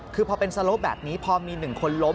คือพอเป็นสโลปแบบนี้พอมี๑คนล้ม